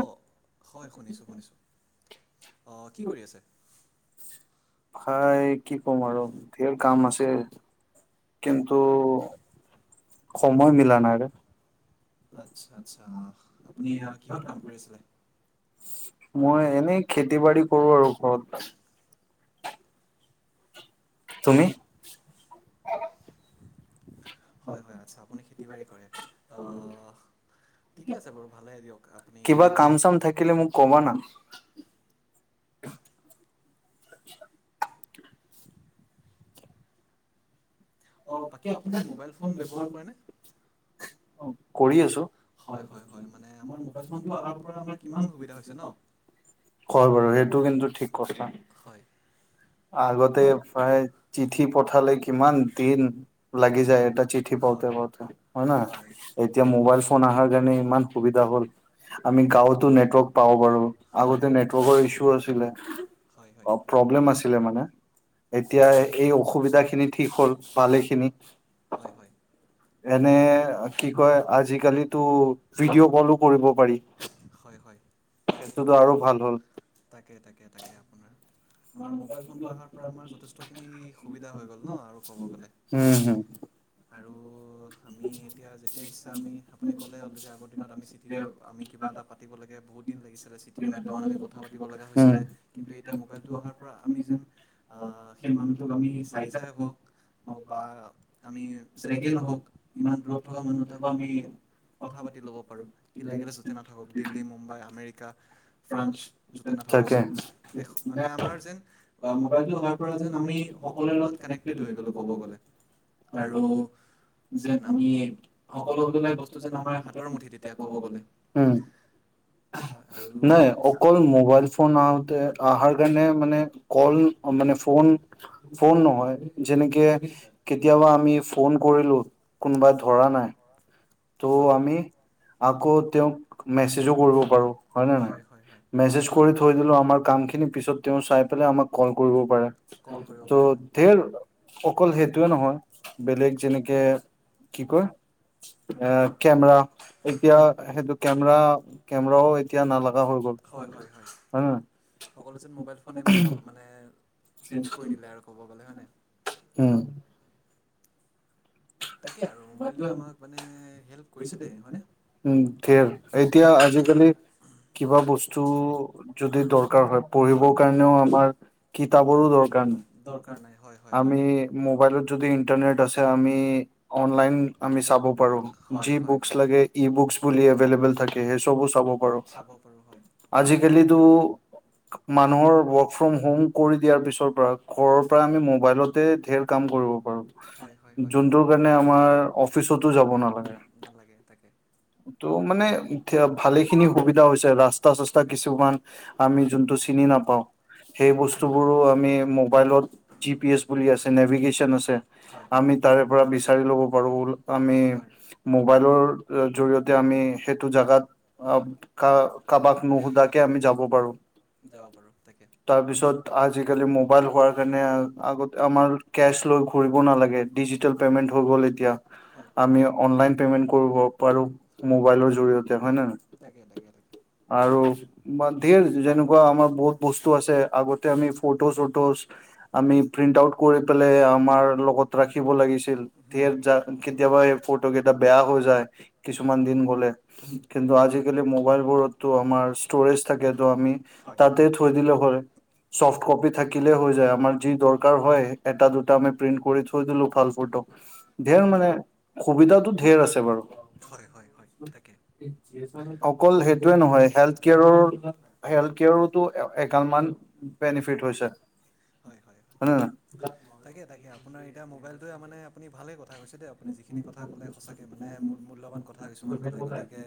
অ', হয়, শুনিছোঁ শুনিছোঁ। অ', কি কৰি আছে? ভাই কি ক'ম আৰু ধেৰ কাম আছে। কিন্তু সময় মিলা নাই ৰে আচ্ছা আচ্ছা [unintelligible] মই এনেই খেতি বাৰি কৰো আৰু ঘৰত তুমি হয় হয় আচ্ছা আপুনি খেতি বাৰী কৰে আহ ঠিকে আছে বাৰু ভালে দিয়ক আপুনি খেতি বাতি অঁ বাকী আপুনি মোবাইল ফোন ব্যৱহাৰ কৰেনে অ [inaudible] কৰি আছো হয় বাৰু সেইটো কিন্তু ঠিক কথা আগতে প্ৰায়ে চিঠি পঠালে কিমান দিন লাগি যায় এটা চিঠি পাওঁতে পাওঁতে হয় না এতিয়া মোবাইল ফোন অহাৰ কাৰণে ইমান সুবিধা হ'ল আমি গাঁৱতো নেটৱৰ্ক পাওঁ বাৰু আগতে নেটৱৰ্কৰ ইচ্ছ্যু আছিলে হয় হয় আছিলে মানে এতিয়া সেই অসুবিধা খিনিক ঠিক হ'ল ভালেখিনি হয় হয় এনে কি কয় আজিকালিতো ভিডিঅ' কলো কৰিব পাৰি হয় হয় তাকে তাকে তাকে আপোনাৰ আমাৰ ম'বাইল ফো ফোনটো অহাৰ পৰা আমাৰ যথেষ্টখিনি সুবিধা হৈ গল ন আৰু কব গ'লে আৰু আমি এতিয়া যেতিয়া ইচ্ছা আমি আপুনি ক'লে অলৰেডি আগৰ দিনত আমি চিঠিৰে আমি কিবা এটা পা পাতিব লাগে বহুত দিন লাগিছিলে চিঠিৰ মাধ্যমত আমি কথা পাতিব লগা হৈছিলে কিন্তু এতিয়া মোবাইলটো অহাৰ পৰা আমি যেন সেই মানুহটোক আমি চাই চাই হওক হওক বা আমি যেনেকেই নহওক ইমান দূৰত থকা মানুহ এটাকো আমি কথা পাতি ল'ব পাৰোঁ সি লাগিলে য'তে নাথাকক দিল্লী, মুম্বাই, আমেৰিকা ফ্ৰান্স য'তে নাথক যি যি দেশ মানে আমাৰ যে মোবাইলটো অহাৰ পৰা যেন আমি সকলোৰে লগত কানেক্টেড হৈ গ'লোঁ ক'ব গ'লে আৰু যেন আমি সকলোবিলাক বস্তু যেন আমাৰ হাতৰ মুঠিত এতিয়া ক'ব গ'লে নাই অকল মোবাইল ফোন আহোতে অহাৰ কাৰণে মানে কল মানে ফোন ফোন নহয় যেনেকে কেতিয়াবা আমি ফোন কৰিলো [unintelligible] হয় আকৌ তেওঁক মেছেজো কৰিব পাৰো হয়নে নহয় মেছেজ কৰি থৈ দিলো আমাৰ কাম কি কিন্তু পিছত তেওঁ চাই পেলাই আমাক কল কৰিব পাৰা ত' ঢেৰ অকল সেইটোয়ে নহয় বেলেগ যেনেকে কি কয় এ কেমেৰা এতিয়া সেইটো কেমেৰা কেমেৰাও এতিয়া নালাগা হৈ গ'ল হয় নে নাই সকলো যেন মোবাইল ফোনে মানে হ'ল মানে [unintelligible] উম তাকেই আৰু মোবাইলটোৱে আমাক মানে হেল্প কৰিছে দেই হয়নে উম ধেৰ এতিয়া আজিকালি কিবা বস্তু যদি দৰকাৰ দৰকাৰ হয় পঢ়িবৰ কাৰণেও আমাৰ কিতাপৰো দৰকাৰ নাই আমি মোবাইলত যদি ইন্টাৰনেট আছে আমি অনলাইন আমি চাব পাৰো যি বুকচ লাগে ই বুকচ বুলি এভেইলেবল থাকে সেই চবো চাব পাৰো চাব পাৰোঁ হয় আজিকালি তো মানুহৰ ৱৰ্ক ফ্ৰম হোম কৰি দিয়াৰ পিছৰ পৰা, ঘৰৰ পৰা আমি মোবাইলটে ধেৰ কাম কৰো। হয়, হয়, হয়, দিনটো মানে আমাৰ অফিচটো যাব নালাগে। নালাগে তাকে। ত' মানে এতিয়া ভালে খিনি সুবিধা হৈছে, ৰাস্তা চস্তা কিছুমান আমি যোনটো চিনি নাপাওঁ সেই বস্তুবোৰো আমি মোবাইলত জি পি এছ বুলি আছে নেভিগেশ্বন আছে। আমি তাৰে পৰা বিচাৰি ল'ব পাৰোঁ, আমি মোবাইলৰ জৰিয়তে আমি সেইটো জাগাত অৱ কা-কাৰাবাক নুশুধাকে আমি যাব পাৰোঁ। যাব পাৰোঁ তাকে, তাৰপিছত আজিকালি মোবাইল হোৱাৰ কাৰনে আমাৰ কেছ লৈ ফুৰিব নালাগে, ডিজিটেল পেমেন্ট হৈ গ'ল এতিয়া, হয় আমি অনলাইন পেমেন্ট কৰিব পাৰোঁ, মোবাইলৰ জৰিয়তে হয় নাই, তাকে, তাকে, তাকে। আৰু [unintelligible] কোৱা আমাৰ বহুত বস্তু আছে, আগতে আমি ফটো চটোচ আমি প্ৰিন্ট আউট কৰি পেলাই আমাৰ লগত ৰাখিব লাগিছিল [unintelligible] কেতিয়াবা এই ফটোকেইটা বেয়া হৈ যায়, কিছুমান দিন গ'লে। কিন্তু আজিকালি মোবাইলবোৰততো আমাৰ ষ্টোৰেজ থাকে ত' আমি হয়, তাতে [unintelligible] চফ্ট কপি থাকিলে হৈ যায়, আমাৰ যি দৰকাৰ হয় এটা দুটা আমি প্ৰিন্ট কৰি থৈ দিলোঁ ভাল ফটো। ধেৰ মানে, সুবিধাটো ধেৰ আছে বাৰু। হয়, হয়, হয় তাকে, এই জি এছ আৰ অকল সেইবিলাক নহয় [unintelligible] [unintelligible] হয়, হয়। তাকে, তাকে আপোনাৰ এতিয়া মোবাইলটোৱে মানে আপুনি ভালে কথা কৈছে দেই আপুনি, যিখিনি কথা ক'লে সঁচাকৈ মানে মূল্যৱান কথা কিছুমান ক'লে গতিকে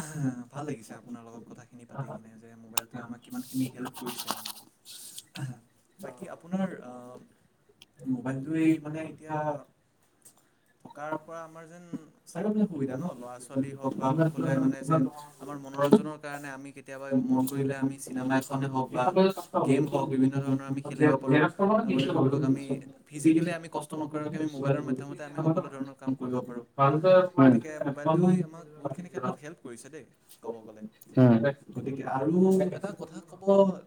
আ'হ ভাল লাগিছে আপোনাৰ লগত কথাখিনি পাতি কিনে যে মোবাইলটোৱে আমাক কিমানখিনি হেল্প কৰিছে আমাক। আ'হ বাকী আপোনাৰ আ' মোবাইলটোৱেই মানে এতিয়া থকাৰ পৰা আমাৰ যেন চাৰিওফালে সুবিধা ন' ল'ৰা ছোৱালী হওক বা সকলোৱে মানে যেন আমাৰ মনোৰঞ্জনৰ কাৰণে আমি কেতিয়াবা মন কৰিলে আমি চিনেমা এখনে হওঁক বা গেম হওঁক বিভিন্ন ধৰণৰ আমি খেলিব পাৰোঁ। আগতে ধৰি লওক আমি, ফিজিকেলি আমি কষ্ট নকৰাকে আমি মোবাইলৰ মাধ্যমতে আমি সকলোঁ ধৰণৰ কাম কৰিব পাৰোঁ, গতিকে মোবাইলটোৱে আমাক বহুতখিনি ক্ষেত্ৰত হেল্প কৰিছে দেই। ক'ব গ'লে, গতিকে আৰু এটা কথা ক'ব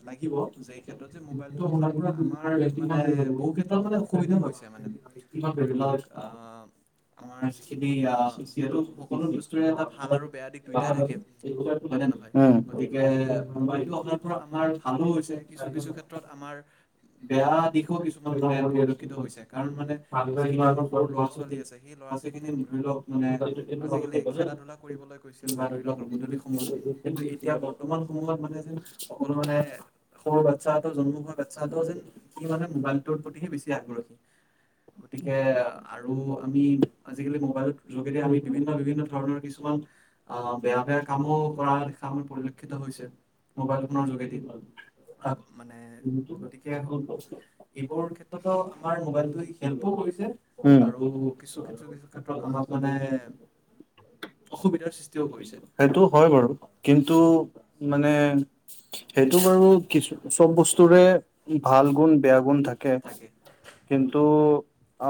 লাগিব যে ক্ষেত্ৰত যে মোবাইলটো অহাৰ পৰা আমাৰ মানে বহুত ক্ষেত্ৰত মানে অসুবিধাও হৈছে মানে ধৰি লওঁক আহ' আমাৰ যিখিনি আ' যিহেতু সকলোঁ বস্তুৰে এটা ভাল আৰু বেয়া দিশ দুয়োটাই থাকে। হয় নে নহয়, গতি কে মোবাইলটো অহাৰ পৰা আমাৰ ভালোঁ হৈছে, কিছু, কিছু ক্ষেত্ৰত আমাৰ বেয়া দিশো কিছুমান মানে পৰিলক্ষিত হৈছে, কাৰণ মানে যিখিনি আমাৰ সৰু ল'ৰা ছোৱালী আছে, সেই ল'ৰা ছোৱালীখিনি ধৰি লওঁক মানে আজিকালি খেলা ধূলা কৰিবলৈ গৈছে বা ধৰি লওঁক আৰু গধূলি সময়ত, কিন্তু এটি এতিয়া বৰ্তমান সময়ত মানে যেন সকলোঁ মানে, সৰু বাচ্ছা এটাও জন্ম হোৱা বাচ্ছা এটাও যেন সি মানে মোবাইলটোৰ প্ৰতিহে বেছি আগ্ৰহী গতিকে আৰু আমি আজিকালি মোবাইলৰ যোগেদি আমি বিভিন্ন, বিভিন্ন ধৰণৰ কিছুমান আ বেয়া বেয়া কামো কৰা দেখা আমাৰ পৰিলক্ষিত হৈছে মোবাইল ফোনৰ যোগেদি। মানে গতিকে এইবোৰ ক্ষেত্ৰটো আমাৰ মোবাইলটোৱেই হেল্পো কৰিছে আৰু কিছু কিছু কিছু ক্ষেত্ৰত আমাক মানে অসুবিধাৰ সৃষ্টিও কৰিছে। কিন্তু মানে সেইটো বাৰু কিছু চব বস্তুৰে ভাল গুণ, বেয়া গুণ থাকে। কিন্তু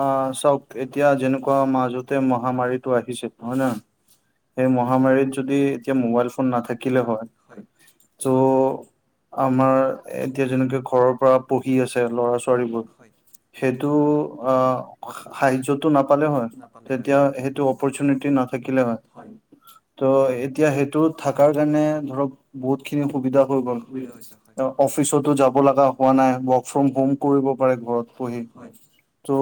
আ চাওঁক এতিয়া যেনেকুৱা মাজতে মহামাৰীটো আহিছিল হয় নে নহয়। সেই মহামাৰীত যদি এতিয়া মোবাইল ফোন নাথা হয়। ত' আমাৰ এতিয়া যেনেকে ঘৰৰ পৰা পঢ়ি আছে ল'ৰা-ছোৱালীবোৰ সেইটো আ সাহায্যটো নাপালে হয় তেতিয়া সেইটো অপৰচুনিটি নাথাকিলে হয়। ত' এতিয়া সেই টো থাকাৰ কাৰণে ধৰক বহুতখিনি সুবিধা হৈ গ'ল অফিচটো যাব লাগা হোৱা নাই ৱৰ্ক ফ্ৰম হোম কৰিব পাৰে ঘৰত বঢ়ি বঢ়ি ত'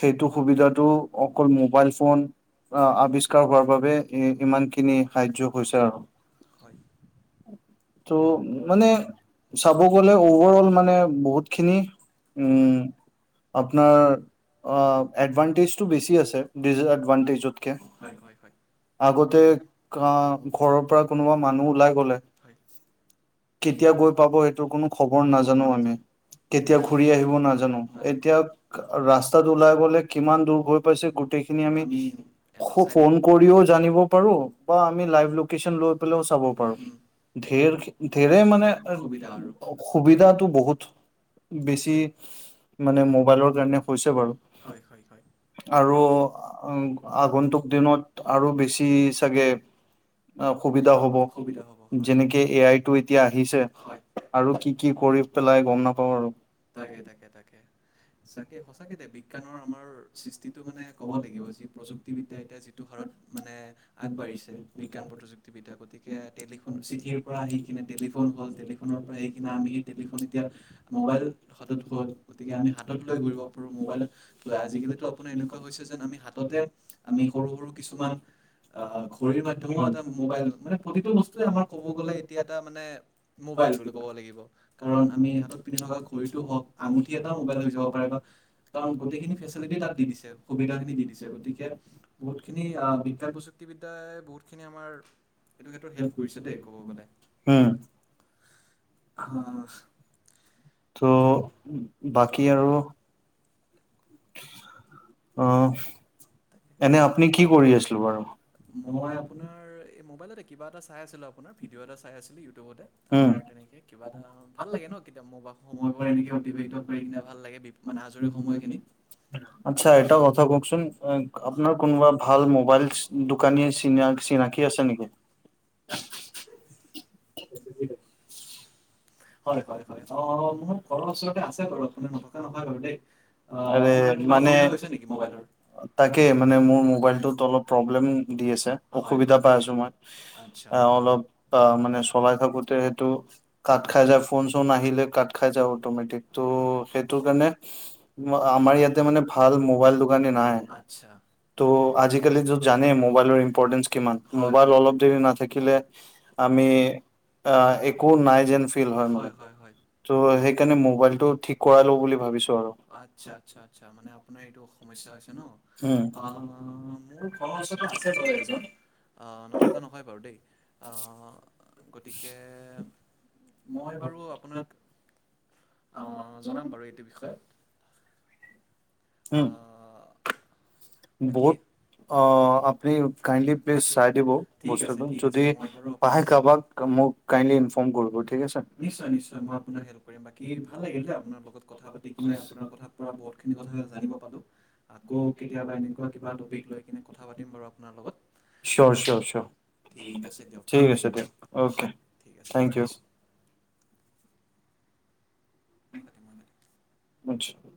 সেইটো সুবিধাটো অকল মোবাইল ফোন আ আৱিষ্কাৰ হোৱাৰ বাবে ইমানখিনি সাহায্য হৈছে আৰু। হয়। ত' মানে চাব গ'লে অভাৰ অল মানে বহুতখিনি উম আপোনাৰ এডভানটেজটো বেছি আছে দিছএডভানটেজতকে। হয় হয় হয়। আগতে ঘৰৰ পৰা কোনোবা মানুহ ওলাই গ'লে কেতিয়া গৈ পাব সেইটোৰ কোনো খবৰ নাজানো আমি। কেতিয়া ঘূৰি আহিব নাজানো এতিয়া ৰাস্তা ত ওলাই গ'লে কিমান দূৰ গৈ পাইছে গোটেইখিনি আমি ফোন কৰিও জানিব পাৰো বা আমি লাইভ লোকেচন লৈ পে লাইও চাব পাৰো। ধেৰ ধেৰে মানে সুবিধাটো বহুত বেছি মানে মোবাইলৰ কাৰণে হয় হয় হয়। আৰু আগন্তুক দিনত আৰু বেছি চাগে আ সুবিধা হ'ব যেনেকে এ আইটো এতিয়া আহিছে আৰু কি কি কৰি পেলাই গম নাপাওঁ আৰু। তাকে তাকে তাকে। সঁচাকে, সঁচাকে দে বিজ্ঞানৰ আমাৰ সৃষ্টিটো মানে ক'ব লাগিব যি প্ৰযুক্তিবিদ্যাই এতিয়া যি টো হাৰত মানে আগবাঢ়িছে বিজ্ঞান প্ৰযুক্তি বিদ্যাৰ। গতিকে টেলিফোন চিঠিৰ পৰা আহি কিনে টেলিফোন হ'ল, টেলিফনৰ পৰা আহি কিনা আমি সেই টেলিফোন এতিয়া ম'বাইল হাতত হ'ল, গতিকে আমি হাত হাতত লৈ ঘূৰিব পাৰো ম'বাইলক লৈ। আজিকালিটো আপোনাৰ এনেকুৱা হৈছে যে আমি হাততে আমি সৰু সৰু কিছুমান আ ঘড়ীৰ মাধ্যমও এটা ম ম'বাইল, মানে প্ৰতিটো বস্তুৱে আমাৰ ক'ব গ'লে এতিয়া এটা মানে ম'বাইল বুলি ক'ব লাগিব। কাৰণ আমি হাতত পিন্ধি থকা ঘড়ীটো হওক, আঙুঠি এটাও মোবাইল হৈ যাব পাৰে বা, কাৰণ গতেইখিনি ফেচিলিটী তাত দি দিছে, সুবিধাখিনি দি দিছে গতিকে বহুতখিনি আ' বিজ্ঞান প্ৰযুক্তিবিদ্যাই বহুতখিনি আমাৰ এইটো ক্ষেত্ৰত হেল্প কৰিছে দেই, ক'ব গ'লে। উম, আ' ত', বাকী আৰু অহ। [unintelligible] মই আপোনাৰ, এই ম'বাইলতে কিবা এটা চাই আছিলোঁ আপোনাৰ, ভিডিঅ' এটা চাই আছিলোঁ, ইউটিউবতে। আপোনাৰ তেনেকে। কিবা এটা ভাল লাগে ন', কেতিয়া ম' বা সময়বোৰ এনেকে অতিবাহিত কৰি কেনে ভাল লাগে, বি, মানে আজৰি সময়খিনি। আচ্ছা, এটা কথা কওকচোন ম' আপোনাৰ কোনোবা ভাল ম'বাইল ছ' দোকানীয়ে চিনা, চিনাকি আছে নেকি? হয় হয় হয়। অ', মোৰ ঘৰৰ ওচৰতে আছে বাৰু [unintelligible] বাৰু দেই। আৰে মানে, তাকে মানে মোৰ ম'বাইলটোত অলপ প্ৰব্লেম দি আছে, অসুবিধা পাই আছোঁ মই। অহ, অলপ আ', মানে চ [unintelligible] থাকোঁতে সেইটো কাট খাই যায়, ফোন-চোন আহিলে কাট খাই যায় অট'মেটিক ত', সেইটো কাৰণে ম', আমাৰ ইয়াতে মানে ভাল ম'বাইল দোকানী নাই। ত' আজিকালি জ', জানে ম'বাইলৰ ইম্পৰ্টেনচ কিমান। ম'বাইল অলপ দেৰি নাথাকিলে আমি আ', একো নাই যেন ফি হয় হয় হয়। ত' সেইকাৰণে ম'বাইলটো ঠিক কৰাই লওঁ বুলি ভাবিছোঁ আৰু। আচ্ছা আচ্ছা আচ্ছা, মানে আপোনাৰ এইটো সমস্যা হৈছে ন'? অহ, মোৰ ঘৰৰ ওচৰতে আছে বাৰু এজন, আ' নতুন কা ন হয় বাৰু দেই। অহ, গতিকে মই বাৰু আপোনাক, অহ জনাম বাৰু এই এইটো বিষয়ত। আ' বাকী অহ, আপুনি কাইণ্ডলি প্লিজ চাই দিব বস্তুটো, যদি পায় কাবাক, মোক কাইণ্ডলি ইনফৰ্ম কৰিব থি নিশ্চয় নিশ্চয়, মই আপোনাক হেল্প কৰিম। বাকী ভাল লাগিল দেই আপোনাৰ লগত কথা পাতি কিনে, আপোনাৰ কথাত পৰা বহুতখিনি কথা জানিব পালোঁ। আকৌ কে তিয়াবা এনেকুৱা কিবা টপিক লৈকেনে কথা পাতিম বাৰু আপোনাৰ লগত। [unintelligible] ঠিক আছে দিয়ক ভাল লাগিল। হয়, ঠিক আছে, ৰাখিছোঁ। মই কাটিম মই কাটিম। [unintelligible]